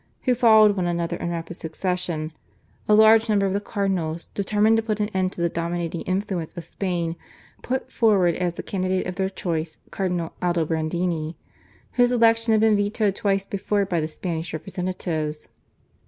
who followed one another in rapid succession, a large number of the cardinals, determined to put an end to the dominating influence of Spain, put forward as the candidate of their choice Cardinal Aldobrandini, whose election had been vetoed twice before by the Spanish representatives.